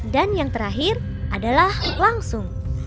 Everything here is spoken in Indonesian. dan yang terakhir adalah langsung